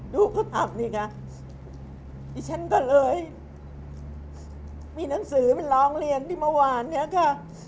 ดูภาพนี้ค่ะดิฉันก็เลยมีหนังสือเป็นร้องเรียนที่เมื่อวานเนี่ยค่ะ